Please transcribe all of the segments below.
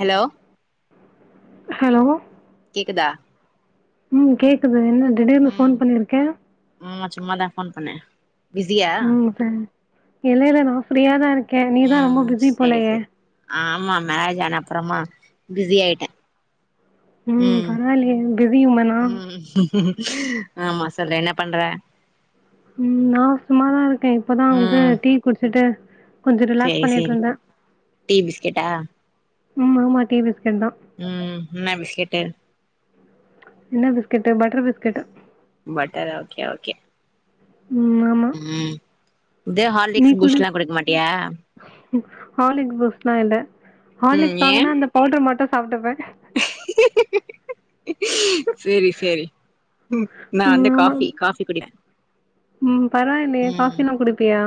Hello hello கேக்குதா ம் கேக்குது என்ன திடீர்னு ம் ஃபோன் பண்ணிருக்க ஆமா சும்மாதா ஃபோன் பண்ணே பிஸியா உம் சரி இல்ல இல்ல நான் ஃப்ரீயா தான் இருக் நீதான் ரொம்ப ம் பிஸி செரி போலைய செரி ஆமா மேரேஜ் ஆன அப்புறமா பிஸி ஆயிட்டேன் உம் பரவாலையே பிஸியுமானா ம் ஆமா சொல்லு என்ன பண்ற உம் நா சும்மாதா இருக்கே இப்பதா வந்து ம் டீ குடிச்சுட்டு சேரி சரி டீ பிஸ்கட்டா உம் ஆமா டீ பிஸ்கட் தா உம் என்ன பிஸ்கட்டு என்ன biscuit butter biscuit butter okay okay ம் ஆமாம் உம் இதே நீ ஹார்லிக்ஸ் குடி பூஸ்ட்லா குடுக்க மாட்டியா ஹார்லிக்ஸ் பூஸ்ட்லா இல்ல ம் ஹார்லிக்ஸ் ஏ வாங்குனா அந்த பவுடர் மட்டு சாப்ட்டுப்பே சரி சரி நா வந்து காஃபி காஃபி குடி உம் பரவாயில்லையே காஃபில்லா குடிப்பியா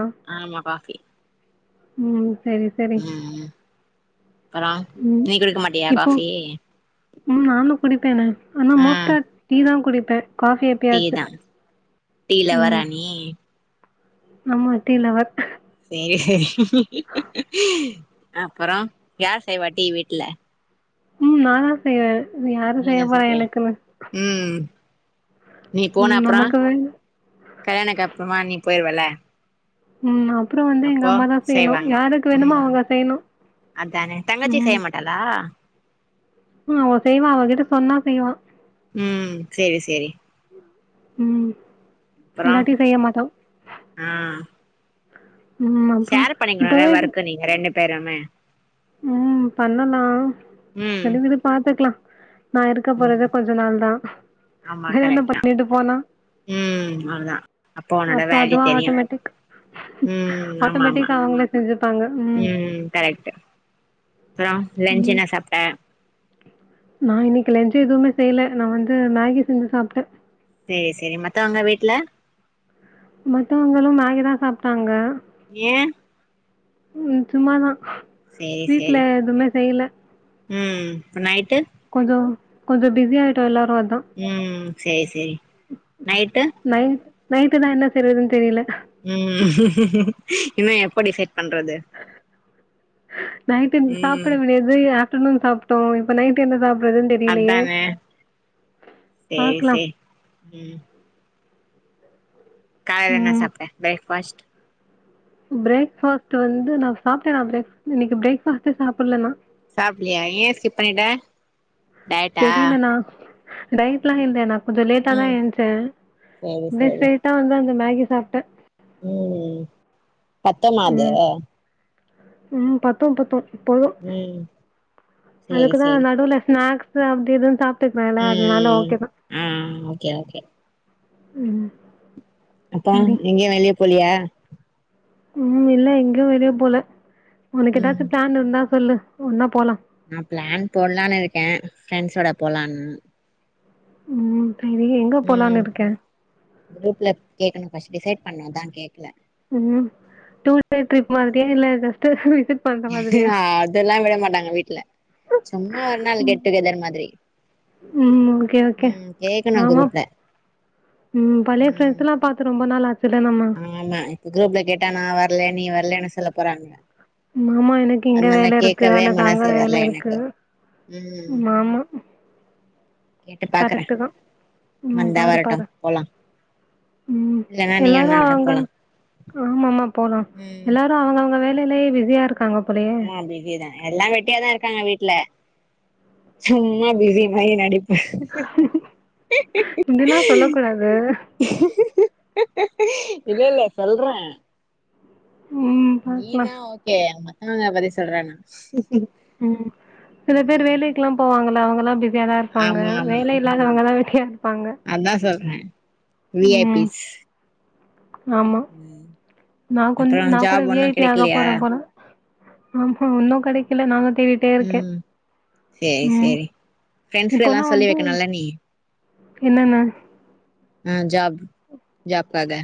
பி உம் சரி சரி அப்பறோ உம் நீ குடிக்க மாட்டியா இப்போ காஃபி உம் நானு குடிப்பேனே ஆனா ஆ மோஸ்ட்டா டீதா குடிப்ப டீ தா டீ ம் லவ்வரா நீ ஆமா டீ லவ்வர் அப்புறோ யார் செய்வா டீ வீட்ல உம் நான்தா செய்வ யாரு நீதா செய்யப்பறோ செய்வியா எனக்குன்னு ம் நீ போன ம் அப்புறோ நமக்கு வேணு கல்யாணக்கு அப்புறமா நீ போயிருவல்ல உம் அப்புறோ வந்து எங்க அம்மாாதா செய்யணு செய்வாங்க யாருக்கு வேணுமோ ம் அவுங்க செய்யணு அதானே தங்கஜி செய்யமாட்டாலா ஆஹ செய்வா அவகிட்ட சொன்னா செய்வா உம் செரி செரி ம் இல்லாட்டி செய்ய மாட்டோ ஆ ஷேர் பண்ணிக்கங்க நெறயா ஒர்க் நீங்க ரெண்டு பேருமே உம் பண்ணலா ம் செரிவிடு பாத்துக்கலா நான் இருக்க போறத ம் கொஞ்ச நாள் தான் ஆமா வேற என்ன கரெக்ட் தா பண்ணிட்டு போனா ம் அவ்ளதா அப்போ உன்னோட அப்புறோ வேல்யூ அதுவா தெரியு ஆட்டோமேட்டிக் ம் ஆமா ஆமா ஆட்டோமேட்டிகா அவுங்களே செஞ்சுப்பாங்க உம் அப்புறோ லஞ்சு என்ன சாப்ட்ட நா இன்னைக்கு லன்ஞ்சு எதுவுமே செய்யல நான் வந்து மேகி செஞ்சி சாப்ட்டேன் செரி செரி மத்தவங்க வீட்டு்ல மத்தவங்களும் மேகிதா சாப்ட்டாங்க ஏன் உம் சும்மாதான் சேரி சேரி வீட்டு்ல எதுவுமே செய்யல ம் இப்ப நைட்டு் கொஞ்சோ கொஞ்சோ பிஸி ஆயிட்டோ எல்லார் ம் சேரி சேரி நைட்டு நைட் நைட்டு தா என்ன செய்றதுன் தெரியில இனிமே எப்ப டிசைட் பண்றது நைட்டு எனக்கு சாப்பிட ம் விடியாத [unintelligible] சாப்ட்டோ இப்ப நைட்டு என்ன சாப் அதானே செரி பாக்கலா செரி ம் காலைல என்ன ம் சாப்ட்ட ப்ரேக்ஃபாஸ்ட் பிரேக்ஃபாஸ்ட் வந்து நா சாப்ட்டனா ப்ரேக் இன்னைக்கு பிரேக்ஃ பாஸ்ட்டே சாப்ல நா சாப்புலியா ஏ ஸ்கிப் பண்ணிட்ட டயட்டா தெரியிலனா டய்ட்லா இல்ல நா கொஞ்சோ லேட்டா தா ம் ஏன்ஞ்ச்சே சேரி அப்டியே சேரி ஸ்டெய்ட்டா வந்து அந்த மேகி கி சாப்ட்டே ம் ம் பத்துமா அது ம் ம் பத்தும் பத்தும் போது ம் சேரி அதுக்குதா சேரி நடுவுல ஸ்நாக் சாப்டியது தாப் ம் ஆ ஓகே ஓகே ம் அப்பா சரி எங்கயு வெளிய போல்லியா ம் இல்ல எங்க வெளிய போல உனக்கு ம் ஏதாச்சு பிளான் இருந்தா சொல்லு ஒன்னா போலா நா பிளான் போட்லானு இருக்கே ஃப்ரெண்ட்ஸோட போலான் ம் சரி எங்க போலான்னு ம் இருக்க குரூப்ல கேக்கணு ஃபஸ்ட் டிசைட் பண்ணுதா கேக் ம் டு டே ட்ரிப் மாதிரியா இல்ல [unintelligible] மாதிரியா அதெல்லா விட மாட்டாங்க வீட்டுல சும்மா ஒரு நாள் கெட் டு கெதர் மாதிரி உம் ஓக்கே ஓக்கே ம் கேக்கணு ஆமா குரூப்ல உம் பழைய ம் ஃபிரண்ட்ஸ் எல்லா பாத்து ரொம்ப நாள் ஆ ஆமா இப்ப குரூப்ல கேட்டா நா வரல நீ வரலன்னு சொல்ல போறாங்க மாமா எனக்கு இங்க அதனால வேலை இருக்கு கேக்கவே அனக்கு அங்க மனசே வரல வேலை இருக்கு எனக்கு ம் மாமா கேட்டு பாக்குறே கரெக்ட் தா உம் வந்தா பாரு வரட்டு பாரு போலா உம் இல்லன்னா நீயு எல்லாரு நானு அவங்க போலா ஆமா ஆமா போலா ம் எல்லாரு அவங்க அவங்க வே வேலையிலே பிஸியா இருக்காங்க போலயே ஆ பிசி தா எல்லா வெட்டியாதா இருக்காங்க வீட்டுல சும்மா பிஸி மாரி நடிப் இப்டி எல்லா சொல்ல கூடாது இல்ல இல்ல சொல்றே ம் பாக்லா நீனா ஓக்கே அகாங்க பத்தி சொல்றேன்னா உம் சில பேர் வேலைக்கு எல்லா போவாங்க இல் அவங்க எல்லா பி சியாதா இருப்பாங்க ஆமா ஆமா வேலே இல்லாதவங்கதா ஹியா அதா சொல்றே வி ஐ ம் பிஸ் ஆமா ம் நா கொஞ்சு அப்றோ ந கூட ஜாப் வி ஐ ஒன்னு பி ஆக கெடைக்கலையா போற போல ம் ம் ஒன்னு கெடைக்கில நானு தேடிட்டே இருக்கே ம் சேரி உம் சேரி ஃப்ரெண்ட்ஸ் எல்லா இப்பல்லா சொல்லி வந்து வைக்கணுல்ல நீ என்னன்ன ஆ ஜாப் ஜாப்க்காக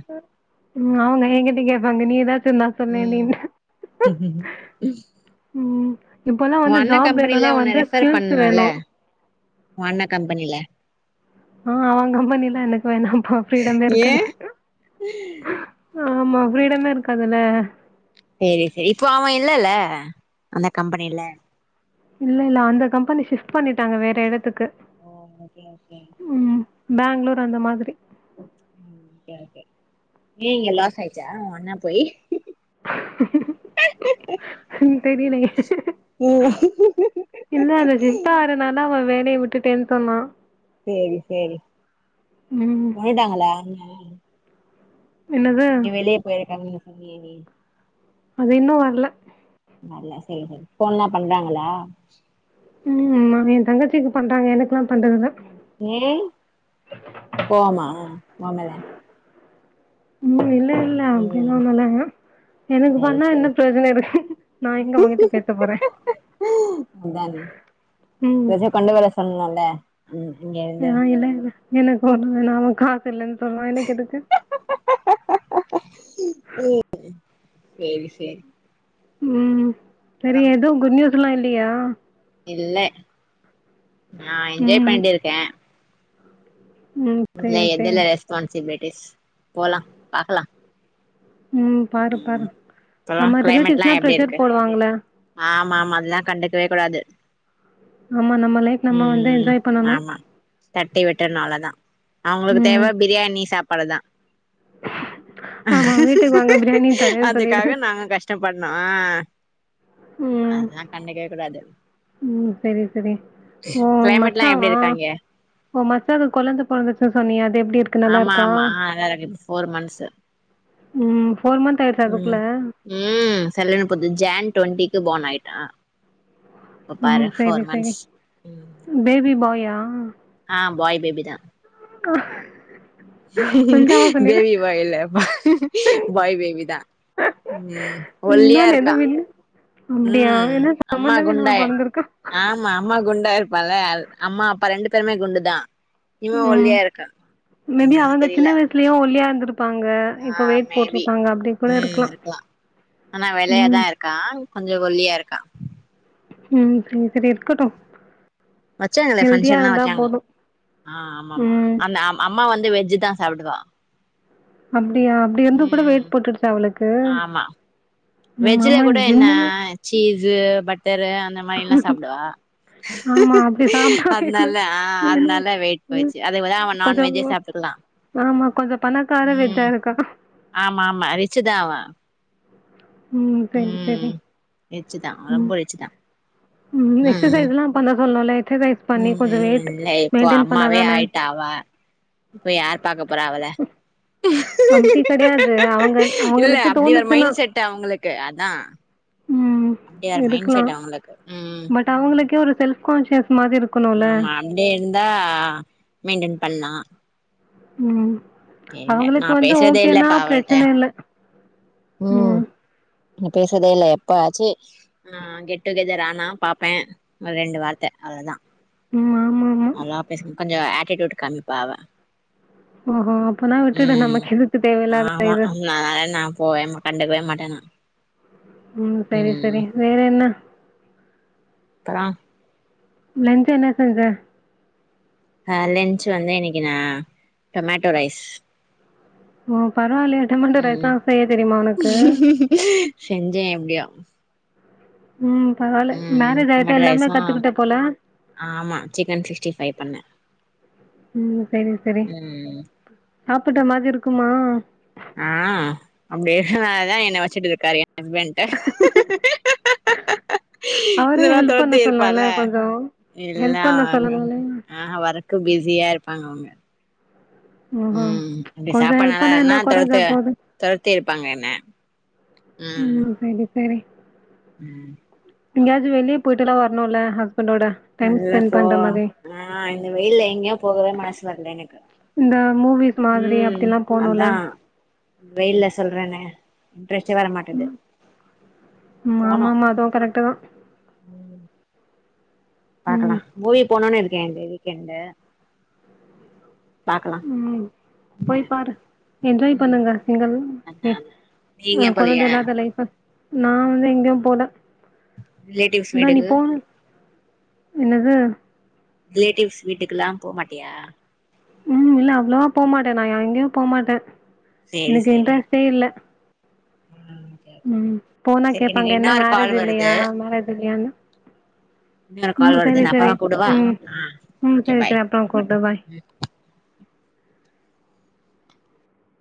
உ அவங்க எங்கிட்ட கேட்பாங்க நீதா து நா சொன்னே ம் நீதா ம் இப்பல்லா உ வந்து அண்ண ஜாப் கம்பெனில வேணும்னா உன்ன வந்து ரெஃபர் ஸ்கில்ஸ் பண்ணனுல்ல வேணு உ அண்ண கம்பெனியில ஆ அவங்க பண்ணிலா எனக்கு வேணாம்ப்பா ஃபீரீடமே ஏ இருக்காது ஆமா ஃப்ரீடமே இருக்கதுல்ல சேரி சேரி இப்போ அவ இல்லல்ல அந்த கம்பெனியில இல்ல இல்ல அந்த கம்பெனி ஷிப்ட் பண்ணிட்டாங்க வேற எடத்துக்கு ஓ ஓக்கே ஓக்கே பெங்ளூர் அந்த மாதிரி சேரி சேரி இங்க லாஸ் ஆயிச்சா ஒண்ணா போயி தெரியிலயே ம் அப்டே வுட்டுட்டேன்னு சொன்னா செரி செரி ம் போய்ட்டாங்களா என்னது நீ வெளியே போயிருக்காங்கனு [unintelligible] அது இன்னு வரல வரல செரி செரி போன்லா பண்றாங்களா ம் ஆமா எ தங்கச்சிக்கு பண்றாங்க எனக்குல்லா நீல் கோவ்மா ஆமால ம் இல் ம் எனக்கு பண்ணா செரி என்ன செரி பிரயோஜன இருக்கு நா எங்க அவங்கிட்ட பேச போறே அதானே ம் [unintelligible] கொண்டு வர சொல்லால ம் இங்க இருந்து ஆ இல்ல இல்ல எனக்கு ஒண்ணு வேனா அவெ காசு இல்லன் சொல்றா எனக்கு எதுக்கு ஆஹ ம் சேரி சேரி ம் செரி அப்பறோ எது குட் நியூஸ் லா இல்லையா இல்ல நா என்ஜாய் ம் பண்ணி இருக்கே ம் இத்ல சரி சரி எதுல்ல ரெஸ்பான்சிபிலி போலா பாக்கலா ம் பாரு பாரு ம் இப்பல்லா ஆமா கிளைமேட்லா ரிலேட்டிவ்ஸ்லா எப்டி ப்ரெஷர் இருக்கு போடுவாங்கள ஆமா ஆமா அதெல்லா கண்டுக்கவே கூடாது ஆமா நம்ம லைஃப் நம்ம வந்து ம் என்ஜாய் பண்ணனு ஆமா தட்டி விட்டற்னால தா அவுங்களுக்கு ம் தேவ பிரியாணி சாப் பலதா ஆமா வீட்டுக்கு வாங்க பிரியாணி தரேன்னு சொல்லிடு அதுக்காக நாங்க கஷ்டப்பட்னோ ஆ ம் அதெல்லா கண்டுக்கவே கூடாது ம் ம் செரி செரி ஓ கிளைமேட்லா எப்டி மச்சாவா இருக்கு அங்க ஓ மச்சாக்கு கொழந்த பொறந்துச்சு சொன்னியே அது எப்டி இருக் ஆமா ஆமா அதா அதா [unintelligible] ஃபோர் மந்த்ஸ் ம் ஃபோர் மந்த் ஆயிடுச்சா அதுக்குள்ள ம் ம் சல்லனு போது ஜேன் டுவெண்ட்டிக்கு பான் ஆயிட்டா இப்ப உம் பாரு செரி ஃபோர் செரி மந்த்ஸ் பேபி பாய் ஆ ஆஹ் ஆஹ் பாய் பேபி தான் ஆ பேபி பாய் இல்ல பாய் பாய் பேபி தான் உம் ஒல்லியா நான் எதோ இருக்கா வின் அப்டியா உம் என்ன அம்மா சம்பந்தமே இல்லாம குண்டாய பொறந்திருக்கா ஆமா அம்மா குண்டாயிருப்பால அம்மா அப்பா ரெண்டு பெருமை குண்டு தா உம் மே பி என்னன்னு அவங்க சின்ன தெரில வயசுலயே ஒல்லியா ப்பாங்க ஆ இப்ப வெயிட் மேபி போட்டிருப்பாங்க அப்படி கூட இருக்கலா உம் கொஞ்சம் ஒல்லியா இருக்கா உம் சரி இருக்கட்டு வச்சாங்களே ஹெல்தியா பங்ஷன்ல்லா இருந்தா வச்சாங்க போது ஆஹ் ஆமா ஆமா ம் அந்த அம் அ அம்மா வந்து வெஜ்ஜூ தா சாப்பிடுவா ஆமா அப்டியா அப்டி இருந்து கூட வெயிட் போட்டுருச்சா அவளுக்கு ஆமா ஆமா ஜிம் சு பட் டரு அந்த மாரி எல்லா சாப்பிடுவா ஆமா அப்டி சாப்ட்டா வேணு அதனால ஆ ம் அதனால வெயிட் ம் போய்ச்சு அதே போல அவ கொஞ்சோ நான்வெஜ்ஜே சாப்ட்டுக்கலா ஆமா கொஞ்சோ பணக்கார உம் வெஜ்ஜா இருக்கா ஆமா ஆமா ரிச்சுதா அவ ம் சரி ம் சரி ரிச்சுதா ரொம்ப ம் ரிச்சுதா ம் எக்சசைஸ்லா பண்ண [unintelligible] பண்ணி உம் கொஞ்சம் வெயிட் இல்ல இப்போ மெயின்டெயின் பண்ணா அம்மாவே தானே! ஆயிட்டா அவ இப்ப யார் பாக்க போறா அவள அப்டி கிடையாது. அவங்க இல்ல அவங்களுக்கு அப்டி ஒரு மைண்ட் செட் அவங்களுக் க்கு அதா உம் அப்டி ஒரு மைண்ட் இருக்கலா செட் அவங்களுக்கு ம் பட் அவுங்களுக்கே ஒரு செல்ப் கான்ஷியஸ். மாதிரி இருக்கணும்ல. ஆமா அப்படியே இருந்தா மெயின்டெய்ன் பண்ணா. உம். அவுங்களுக்கு வந்து பேசுறதே ஓகேனா பிரச்சன இல்ல. உம். ம். நீ பேசறதே இல்லை எப்பாச்சு ஆஹ் கெட் டுகெதர் ஆனா பாப்பேன் ஒரு ரெண்டு வார்த்தை அவ்ளதா உம்மா. அதா பேசன் கொஞ்சோ ஆட் கேட்டுவுட்டு காமிப்பாவ அவ ஓ ஓ அப்ப நா விட்டுடு ம் நமக்கு எதுக்கு தேவயில்லாத இது. போவேன்மா கண்டுக்குவே மாட்டேனா. உம் சரி சரி வேற என்ன. த்தரம். லஞ்ச் என்ன செஞ்ச. ஆ லஞ்ச் வந்து இன்னைக்கு நா டொமேட்டோ ரைஸ். ஓ பரவாயில்லையே டொமேட்டோ ம் ரைஸ்ல செய்ய தெரியுமா உனக்கு. செஞ்சே எப்பிடியோ. உம் பரவால்ல மேரேஜ் ஆயிட்டா டொமேட்டோ எல்லாமே ரைஸு கத்துக்கிட்டே போல. ஆமா சிக்கன் சிக்ஸ்டி ஃபைவ் பண்ணே உம் சரி சரி ம் அப் ப்பிட்ட மாரி இருக்குமா ஆ அப்படிருக்னாலத என்ன வச்சு இப்பிடி ஒரு காரியோ ஹஸ்பண்ட அவரையும் இல்ல ஹெல்ப் பண்ண துரத்தி இருப்பல சொல்லலாம்ல ல்லாம் கொஞ்சம்? இல்ல ஹெல்ப் பண்ண சொல்லலாம்ல? ஆ ஆ வர்க்க பிஸியா இருப்ப தாங்குவாங்க. ஓஹோ! உம் அப்படி கொஞ்சம் சாப்பாடு ஹெல்ப் நல்லா பண்ணா என்ன இல்லனா கொறைஞ்சா தொரத்து போது? தரத்தி பப்பாங்க என்ன. உம் சேரி. சரி. உம். எங்கயாவது வெளியபேயிட்டுல்லா வரணுல்ல நல்லப்போ ஆ இந்த வெயில்ல எங்கேயு போகவே மனசு வரல எனக்கு இந்த மூவிஸ் மாதிரி உம் அப்டிலாம் போணும்ல? அதா வெயில்ல சொல்றேன்னா போனு ஆமாமா அதுவு கரெக்ட் தா ம் பாக்கலா ம். மூவிக்கு போனுனு இருக் கேண்டதிக்கண்டு உம் போய் பாரு என்ஜாய் ம் பண்ணுங்க நீங்கள் அதா எ அதா நீங்க கொழந்த போலையா இல்லாத லைஃப்ப நா வந்து எங்கேயு போல ரிலேட்டிவ்ஸ் இந்தா நீ வீடுக்கு போனு என்னது ரிலேட்டிவ்ஸ் வீட்டுக்கெல்லா போமாட்டியா உம் இல்ல அவ்வளவா போமாட்டே நா எங்கேயு போமாட்டே சேரி எனக்கு சேரி இன்ட்ரெஸ்ட்டே இல்ல ம் ஓகே ஓகே உம் போனா சரி கேப்பாங்க எனக்கு என்ன இன்னொரு கால் மேரேஜ் இல்லையா வருது மேரேஜ் இல்லையானு இன்னொரு உம் கால் சேரி வருது நா சேரி அப்பறமா கூடவா உம் ஆ உம் ஓகே செரி பாய் செரி அப்புறம்மா கூப்பிடு பாய்